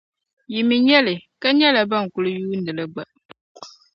Yi mi nya li, ka nyɛla ban kuli yuundili gba.